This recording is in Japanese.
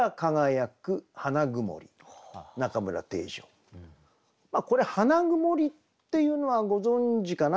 例えばねこれ「花曇」っていうのはご存じかな。